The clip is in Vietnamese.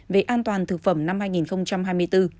về an toàn thực phẩm năm hai nghìn hai mươi bốn